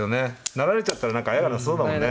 成られちゃったら何かあやなさそうだもんね。